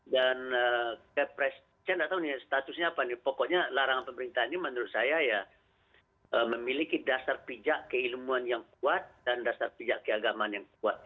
dan saya nggak tahu nih statusnya apa nih pokoknya larangan pemerintah ini menurut saya ya memiliki dasar pijak keilmuan yang kuat dan dasar pijak keagamaan yang kuat